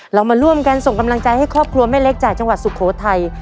เรามาร่วมกันส่งกำลังใจให้ครอบครัวแม่เล็กจากจังหวัดสุโขทัย